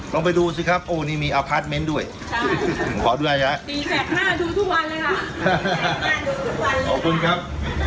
ลองไปดูสิครับโอ้นี่มีด้วยใช่ขอด้วยนะดูทุกวันเลยค่ะขอบคุณครับ